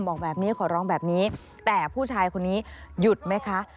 บอกแบบนี้ขอร้องแบบนี้แต่ผู้ชายคนนี้หยุดไหมคะ